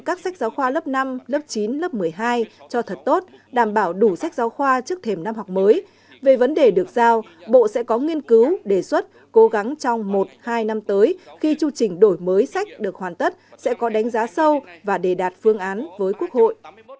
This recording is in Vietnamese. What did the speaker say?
các sách giáo khoa lớp năm lớp chín lớp một mươi hai cho thật tốt đảm bảo đủ sách giáo khoa trước thềm năm học mới về vấn đề được giao bộ sẽ có nghiên cứu đề xuất cố gắng trong một hai năm tới khi chưu trình đổi mới sách được hoàn tất sẽ có đánh giá sâu và đề đạt phương án với quốc hội